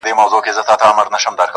o سم ليونى سوم.